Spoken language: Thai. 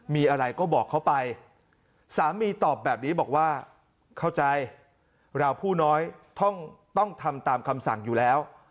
มีอะไรก็บอกเขาไปสามีตอบแบบนี้บอกว่าเข้าใจเราผู้น้อยต้องทำตามคำสั่งอยู่แล้ว